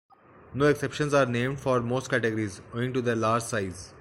No exceptions are named for most categories, owing to their large size.